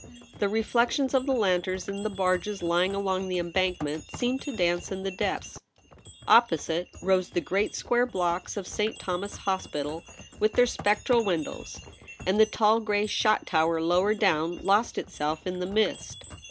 The reflec tions of the lanterns in the barges lying along the embankment seemed to dance in the depths. Opposite rose the great square blocks of St. Thomas's Hospital with their spectral windows, and the tall gray shot tower lower down lost itself in the mist.